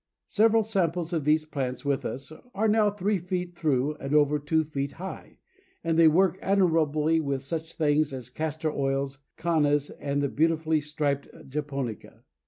Several samples of these plants with us are now three feet through and over two feet high, and they work admirably with such things as Castor Oils, Cannas, and the beautifully striped Japonica.